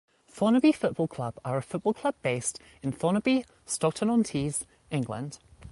Thornaby Football Club are a football club based in Thornaby, Stockton-On-Tees, England.